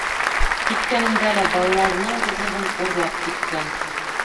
Киткәнендә лә балаларының ризығын урлап киткән!